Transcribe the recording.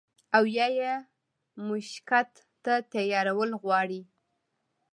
او يا ئې مشقت ته تيارول غواړي